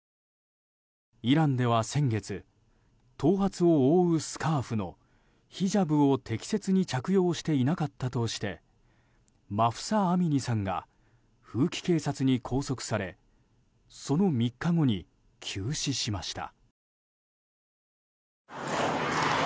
イランでは先月頭髪を覆うスカーフのヒジャブを適切に着用していなかったとしてマフサ・アミニさんが風紀警察に拘束されその３日後に急死しました。